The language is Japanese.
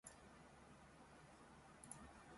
このシステムに貢献してください